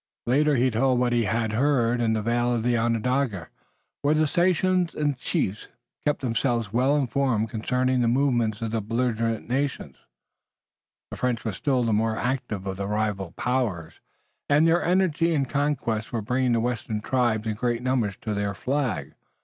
Later he told what he had heard in the vale of Onondaga where the sachems and chiefs kept themselves well informed concerning the movements of the belligerent nations. The French were still the more active of the rival powers, and their energy and conquests were bringing the western tribes in great numbers to their flag.